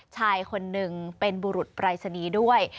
ชายคนหนึ่งเป็นบุรุษปรายศนีย์ด้วย